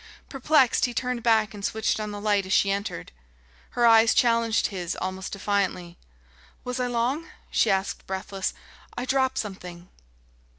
Perplexed, he turned back and switched on the light as she entered. Her eyes challenged his almost defiantly. "Was I long?" she asked, breathless. "I dropped something...."